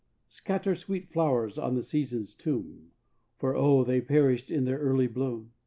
Scatter sweet flowers on the seasonâs tomb, For oh, they perished in their early bloom!